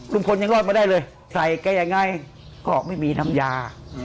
คนยังรอดมาได้เลยใส่แกยังไงก็ไม่มีน้ำยา